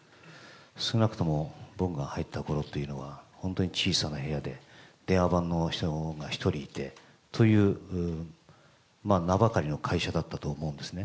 少なくとも僕が入ったころというのは、本当に小さな部屋で、電話番の人が１人いてという名ばかりの会社だったと思うんですね。